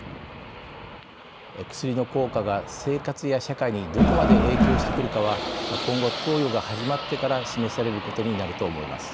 薬の効果が、生活や社会にどこまで影響してくるかは今後、投与が始まってから示されることになると思います。